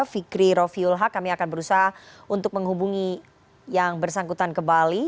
fikri roviul haq kami akan berusaha untuk menghubungi yang bersangkutan kembali